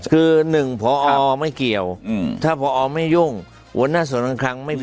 คือหนึ่งพอไม่เกี่ยวถ้าพอไม่ยุ่ง